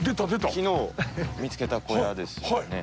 昨日見付けた小屋ですよね。